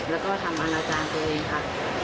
แล้วก็ทำอาณาจารย์ตัวเองค่ะ